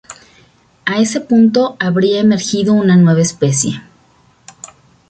A ese punto, habría emergido una nueva especie.